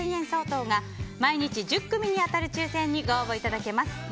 相当が毎日１０組に当たる抽選にご応募いただけます。